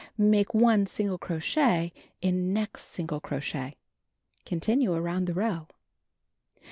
IMake 1 single crochet in next single crochet. Continue around the row.